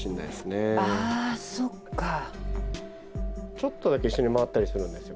ちょっとだけ一緒に回ったりするんですよ。